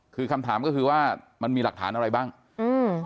คือคำถามก็คือว่ามันมีหลักฐานอะไรบ้างอืม